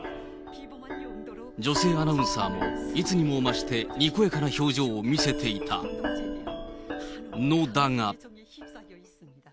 女性アナウンサーも、いつにも増してにこやかな表情を見せていたのだが。